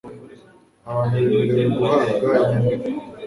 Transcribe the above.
abantu bemerewe guhabwa inyandiko